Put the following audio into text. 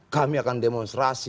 kami akan demonstrasi